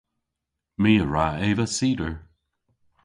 My a wra eva cider.